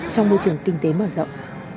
trong môi trường kinh tế mở rộng